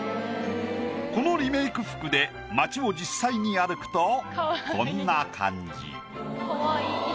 このリメイク服で街を実際に歩くとこんな感じ。